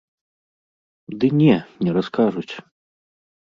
Ды не, не раскажуць.